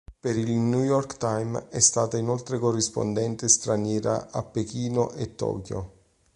Per il New York Times è stata inoltre corrispondente straniera a Pechino e Tokyo.